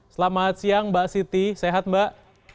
selamat siang mbak siti sehat mbak